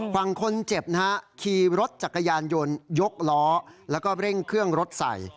ฝั่งคนเจ็บนะฮะขี่รถจักรยานยนต์ยกล้อแล้วก็เร่งเครื่องรถใส่